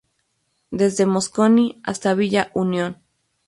Desde Mosconi hasta Villa Unión.